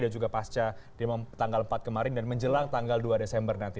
dan juga pasca di tanggal empat kemarin dan menjelang tanggal dua desember nanti